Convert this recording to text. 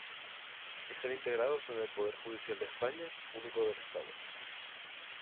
Están integrados en el poder judicial de España, único del Estado.